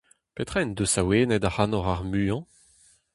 Petra en deus awenet ac'hanoc'h ar muiañ ?